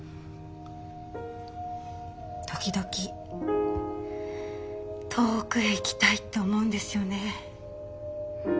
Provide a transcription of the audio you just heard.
時々遠くへ行きたいって思うんですよね。